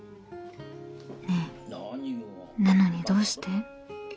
ねえなのにどうして？